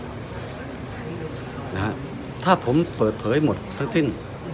นะฮะถ้าผมเปิดเผยหมดทั้งสิ้น